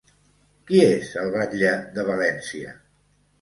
Qui és el batlle de València?